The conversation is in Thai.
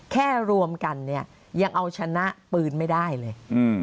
แค่รวมกันเนี่ยยังเอาชนะปืนไม่ได้เลย